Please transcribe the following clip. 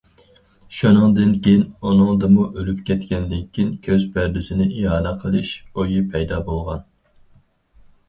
شۇنىڭدىن كېيىن ئۇنىڭدىمۇ ئۆلۈپ كەتكەندىن كېيىن كۆز پەردىسىنى ئىئانە قىلىش ئويى پەيدا بولغان.